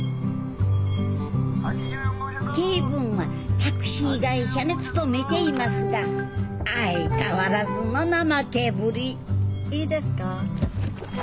恵文はタクシー会社に勤めていますが相変わらずの怠けぶりいいですか？